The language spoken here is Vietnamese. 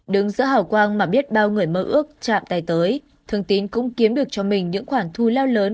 đứng giữa hào quang mà biết bao người mơ ước chạm tay tới thường tín cũng kiếm được cho mình những khoản thu lao lớn